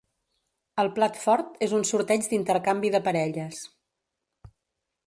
El plat fort és un sorteig d'intercanvi de parelles.